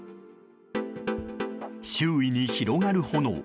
周囲に広がる炎。